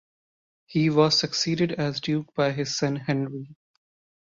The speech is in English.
He was succeeded as duke by his son Henry.